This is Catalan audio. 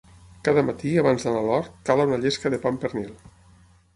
Cada matí, abans d'anar a l'hort, cala una llesca de pa amb pernil.